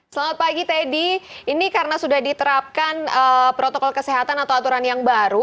selamat pagi teddy ini karena sudah diterapkan protokol kesehatan atau aturan yang baru